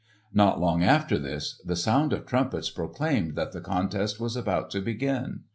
Not long after this, the sound of trumpets proclaimed that the contest was about to begin.